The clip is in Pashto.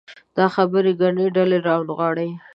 دا خبرې ګڼې ډلې راونغاړي.